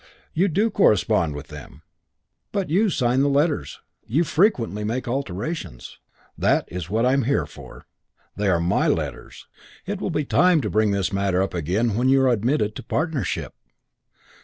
"You do correspond with them." "But you sign the letters. You frequently make alterations." "That is what I am here for. They are my letters. It will be time to bring up this matter again when you are admitted to partnership."